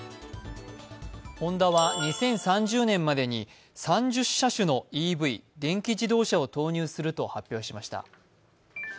ホンダは２０３０年までに３０車種のＥＶ＝電気自動車を投入すると発表しました。